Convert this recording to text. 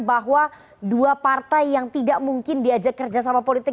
bahwa dua partai yang tidak mungkin diajak kerjasama politik